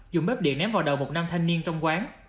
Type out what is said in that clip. dùng bếp điện ném vào đầu một nam thanh niên trong quán